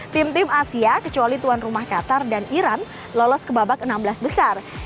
tim tim asia kecuali tuan rumah qatar dan iran lolos ke babak enam belas besar